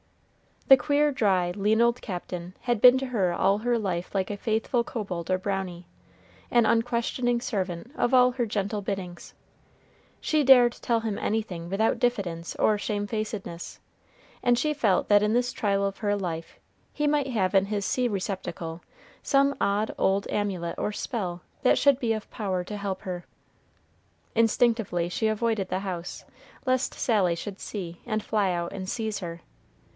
The queer, dry, lean old Captain had been to her all her life like a faithful kobold or brownie, an unquestioning servant of all her gentle biddings. She dared tell him anything without diffidence or shamefacedness; and she felt that in this trial of her life he might have in his sea receptacle some odd old amulet or spell that should be of power to help her. Instinctively she avoided the house, lest Sally should see and fly out and seize her.